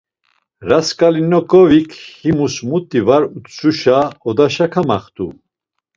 Rasǩolnikovik himus muti var utzuşa; odaşa kamaxt̆u.